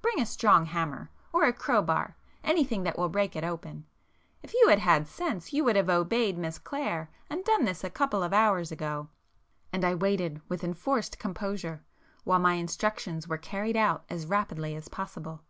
Bring a strong hammer,—or a crowbar,—anything that will break it open,—if you had had sense you would have obeyed Miss Clare, and done this a couple of hours ago." And I waited with enforced composure, while my instructions were carried out as rapidly as possible.